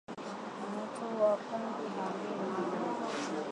Mtumi wa kunga haambiwi maana